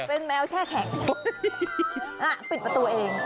เป็นแมวแช่แข็งปิดประตูเอง